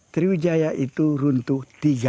sriwijaya itu runtuh seribu tiga ratus tujuh puluh tujuh